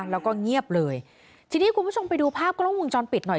แล้วก็เงียบเลยทีนี้คุณผู้ชมไปดูภาพกล้องวงจรปิดหน่อย